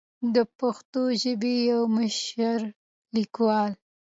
د پښتو ژبې يو مشر ليکوال